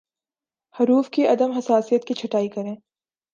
حروف کی عدم حساسیت کی چھٹائی کریں